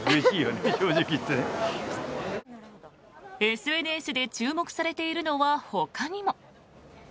ＳＮＳで注目されているのはほかにも。